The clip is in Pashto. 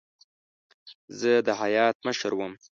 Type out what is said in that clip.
زه د هیات مشر وم.